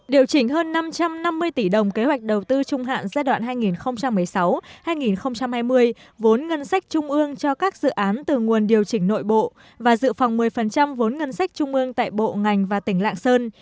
điều chỉnh hơn năm trăm năm mươi tỷ đồng kế hoạch đầu tư trung hạn giai đoạn hai nghìn một mươi sáu hai nghìn hai mươi vốn ngân sách trung ương cho các dự án từ nguồn điều chỉnh nội bộ và dự phòng một mươi vốn ngân sách trung ương tại bộ ngành và tỉnh lạng sơn